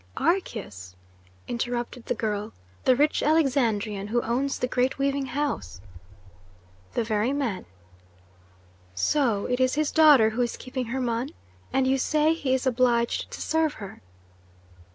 "Archias?" interrupted the girl. "The rich Alexandrian who owns the great weaving house?" "The very man." "So it is his daughter who is keeping Hermon? And you say he is obliged to serve her?"